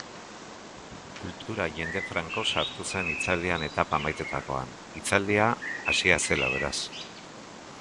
Kultura jende franko sartu zen hitzaldian etapa amaitutakoan, hitzaldia hasia zela beraz.